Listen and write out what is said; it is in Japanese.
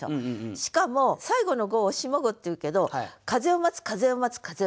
しかも最後の五を下五っていうけど「風を待つ」「風を待つ」「風を待つ」「風を待つ」。